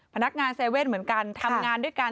พนักงาน๗๑๑เหมือนกันทำงานด้วยกัน